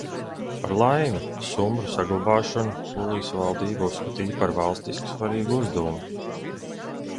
Par laimi, sumbru saglabāšanu Polijas valdība uzskatīja par valstiski svarīgu uzdevumu.